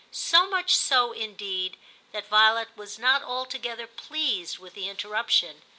So much so, indeed, that Violet was not altogether pleased with the interruption.